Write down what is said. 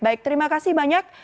baik terima kasih banyak